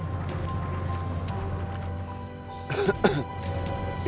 hari minggu besok bisa haris